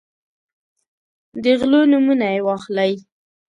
د غلو نومونه یې واخلئ.